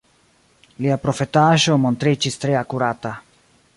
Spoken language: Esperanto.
Lia profetaĵo montriĝis tre akurata.